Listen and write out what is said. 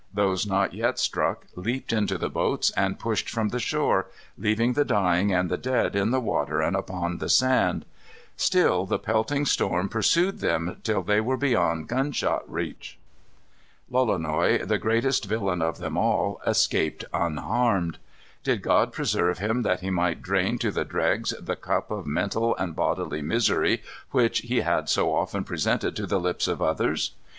Those not yet struck leaped into the boats and pushed from the shore, leaving the dying and the dead in the water and upon the sand. Still the pelting storm pursued them till they were beyond gun shot reach. Lolonois, the greatest villain of them all, escaped unharmed. Did God preserve him that he might drain to the dregs the cup of mental and bodily misery which he had so often presented to the lips of others?